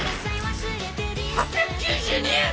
８９２円！